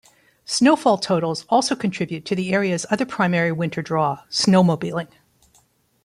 Snowfall totals also contribute to the areas other primary winter draw, snowmobiling.